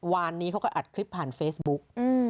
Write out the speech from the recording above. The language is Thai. นี้เขาก็อัดคลิปผ่านเฟซบุ๊ก